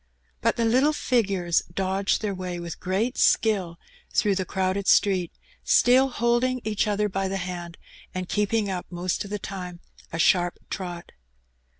But the little figures dodged their way with great skill through the crowded street, still holding each other by the hand and keeping up most of the time a sharp trot.